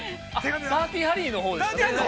◆「ダーティーハリー」のほうですか？